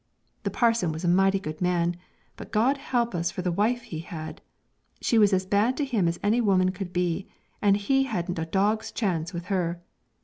The parson was a mighty good man, but God help us for the wife he had! She was as bad to him as any woman could be, and he hadn't a dog's chance with her.